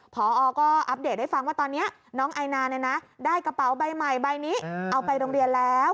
พอก็อัปเดตให้ฟังว่าตอนนี้น้องไอนาได้กระเป๋าใบใหม่ใบนี้เอาไปโรงเรียนแล้ว